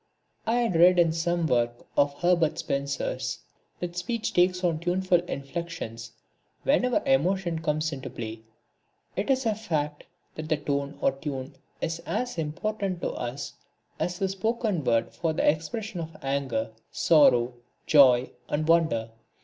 I had read in some work of Herbert Spencer's that speech takes on tuneful inflexions whenever emotion comes into play. It is a fact that the tone or tune is as important to us as the spoken word for the expression of anger, sorrow, joy and wonder.